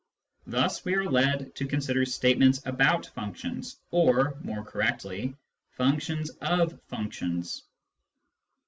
Thus we are led to consider statements about functions, or (more correctly) functions of functions.